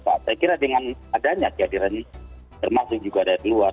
saya kira dengan adanya kehadiran ini termasuk juga dari luar